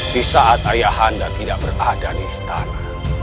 di saat ayah anda tidak berada di istana